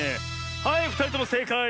はいふたりともせいかい！